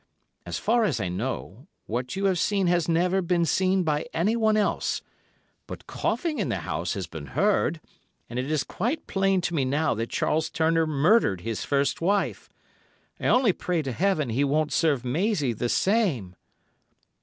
As far as I know, what you have seen has never been seen by anyone else, but coughing in the house has been heard, and it is quite plain to me now that Charles Turner murdered his first wife. I only pray to Heaven he won't serve Maisie the same.